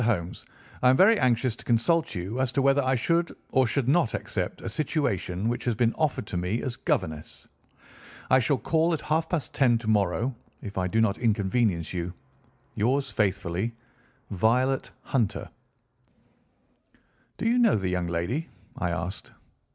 HOLMES,—I am very anxious to consult you as to whether I should or should not accept a situation which has been offered to me as governess. I shall call at half past ten to morrow if I do not inconvenience you. Yours faithfully, "VIOLET HUNTER." "Do you know the young lady?" I asked.